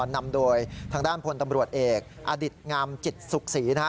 นำโดยทางด้านพลตำรวจเอกอดิตงามจิตสุขศรีนะฮะ